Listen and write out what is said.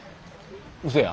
うそや。